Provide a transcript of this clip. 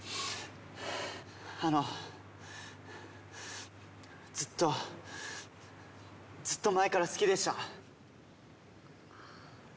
あのずっとずっと前から好きでした。